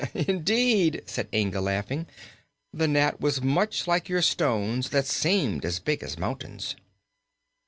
'" "Indeed," said Inga, laughing, "the gnat was much like your stones that seemed as big as mountains."